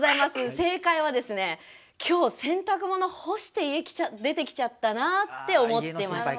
正解はですね今日洗濯物干して家出てきちゃったなって思ってました。